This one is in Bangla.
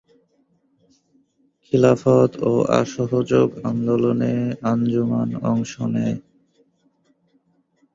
খিলাফত ও অসহযোগ আন্দোলনে আঞ্জুমান অংশ নেয়।